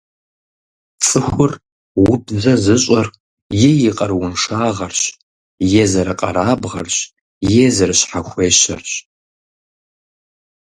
ЦӀыхур убзэ зыщӀыр е и къарууншагъэрщ, е зэрыкъэрабгъэрщ, е зэрыщхьэхуещэрщ.